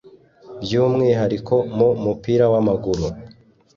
by’umwihariko mu mupira w’amaguru